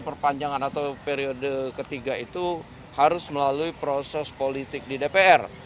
perpanjangan atau periode ketiga itu harus melalui proses politik di dpr